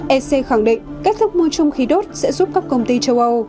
ec khẳng định kết thúc mua chung khí đốt sẽ giúp các công ty châu âu